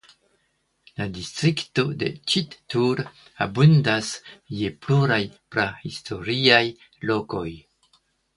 La distrikto de Ĉittur abundas je pluraj prahistoriaj lokoj.